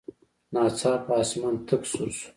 ناڅاپه اسمان تک تور شو.